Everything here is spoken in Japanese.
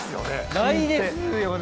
ないですよね？